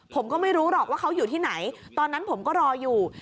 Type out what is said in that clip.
ผมก็ไม่รู้หรอกว่าเขาอยู่ที่ไหนตอนนั้นผมก็รออยู่